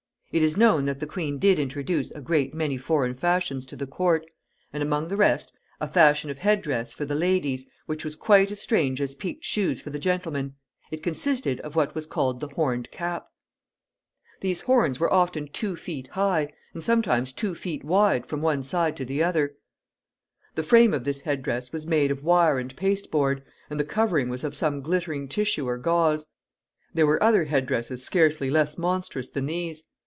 It is known that the queen did introduce a great many foreign fashions to the court, and, among the rest, a fashion of head dress for ladies, which was quite as strange as peaked shoes for the gentlemen. It consisted of what was called the horned cap. [Illustration: FASHIONABLE HEAD DRESSES.] These horns were often two feet high, and sometimes two feet wide from one side to the other. The frame of this head dress was made of wire and pasteboard, and the covering was of some glittering tissue or gauze. There were other head dresses scarcely less monstrous than these.